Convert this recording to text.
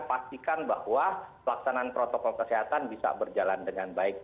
pastikan bahwa pelaksanaan protokol kesehatan bisa berjalan dengan baik